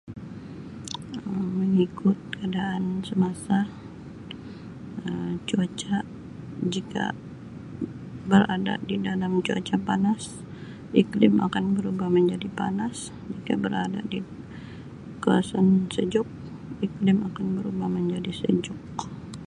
Mengikut keadaan semasa Um cuaca jika berada di dalam cuaca panas iklim akan berubah menjadi panas, jika berada di kawasan sejuk iklim akan berubah menjadi sejuk.